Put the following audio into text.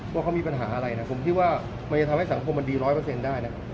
ว่าเขามีปัญหาอะไรนะผมคิดว่ามันจะทำให้สังคมมันดี๑๐๐ได้นะ